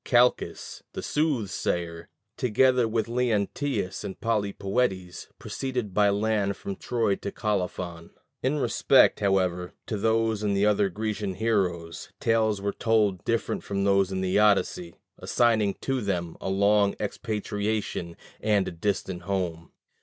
Calchas, the soothsayer, together with Leonteus and Polypoetes, proceeded by land from Troy to Colophon. In respect, however, to these and other Grecian heroes, tales were told different from those in the Odyssey, assigning to them a long expatriation and a distant home.